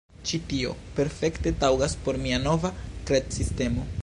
Ĉi tio perfekte taŭgas por mia nova kredsistemo